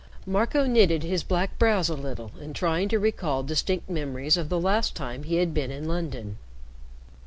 Marco knitted his black brows a little in trying to recall distinct memories of the last time he had been in London.